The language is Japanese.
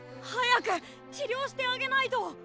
早く治療してあげないと。